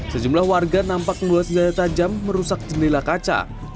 sejumlah warga nampak meluas jalan tajam merusak jendela kaca